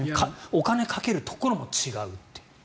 お金かけるところも違うという。